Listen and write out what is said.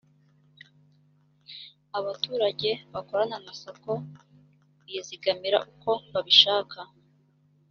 abaturage bakorana na sacco bizigamira uko babishaka